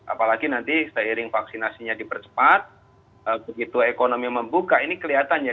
apalagi nanti seiring vaksinasinya dipercepat begitu ekonomi membuka ini kelihatan ya